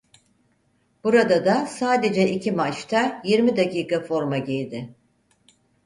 Burada da sadece iki maçta yirmi dakika forma giydi.